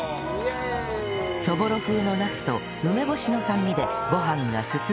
そぼろ風のナスと梅干しの酸味でご飯がすすむ